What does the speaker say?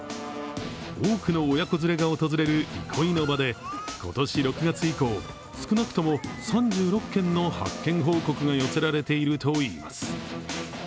多くの親子連れが訪れる憩いの場で、今年６月以降、少なくとも３６件の発見報告が寄せられているといいます。